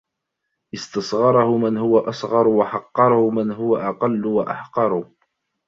اسْتَصْغَرَهُ مَنْ هُوَ أَصْغَرُ وَحَقَّرَهُ مَنْ هُوَ أَقَلُّ وَأَحْقَرُ